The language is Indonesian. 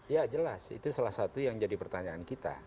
ya jelas itu salah satu yang jadi pertanyaan kita